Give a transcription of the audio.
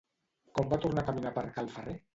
Com va tornar a caminar per cal ferrer?